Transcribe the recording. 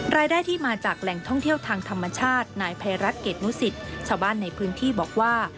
รายได้ที่มาจากแหล่งท่องเที่ยวทางธรรมชาตินายภัยรัฐเกรดนุสิตชาวบ้านในพื้นที่บอกว่า